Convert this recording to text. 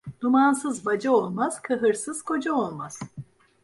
Dumansız baca olmaz, kahırsız koca olmaz.